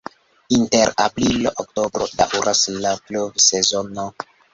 Inter aprilo-oktobro daŭras la pluvsezono.